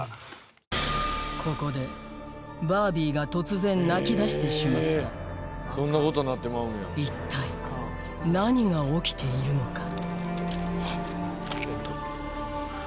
ここでバービーが突然泣きだしてしまった一体何が起きているのか！？